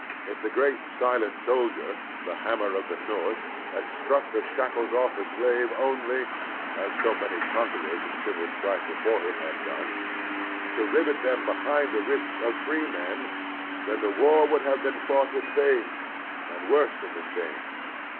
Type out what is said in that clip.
If the great silent soldier, the Hammer of the North, had struck the shackles off the slave only, as so many conquerors in civil strife before him had done, to rivet them around the wrists of freemen, then the war would have been fought in vain, and worse than in vain.